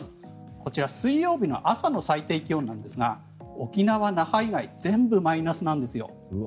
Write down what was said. こちら、水曜日の朝の最低気温なんですが沖縄・那覇以外全部マイナスなんですよ。